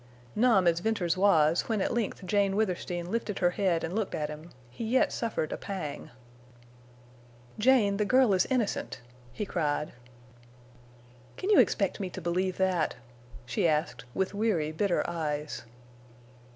Numb as Venters was when at length Jane Withersteen lifted her head and looked at him, he yet suffered a pang. "Jane, the girl is innocent!" he cried. "Can you expect me to believe that?" she asked, with weary, bitter eyes.